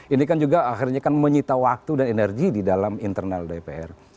ini kan juga akhirnya kan menyita waktu dan energi di dalam internal dpr